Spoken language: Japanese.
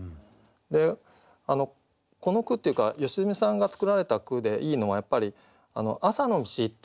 でこの句っていうか良純さんが作られた句でいいのはやっぱり「朝の道」っていうね